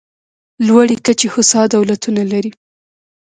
لوړې کچې هوسا دولتونه لري.